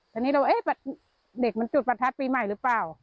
วันนี้เราเอ๊ะแบบเด็กมันจุดประทัดปีใหม่รึเปล่า